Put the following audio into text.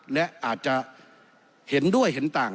และอาจจะเห็นด้วยเห็นต่าง